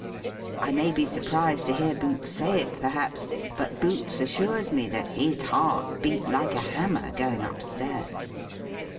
I may be surprised to hear Boots say it, perhaps; but Boots assures me that his heart beat like a hammer, going up stairs.